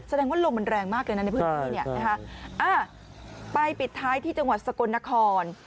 แสดงว่าลมมันแรงมากเลยนะในพื้นที่เนี่ยนะคะไปปิดท้ายที่จังหวัดสกลนคร